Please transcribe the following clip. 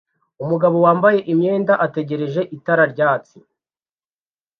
Umugabo wambaye imyenda ategereje itara ryatsi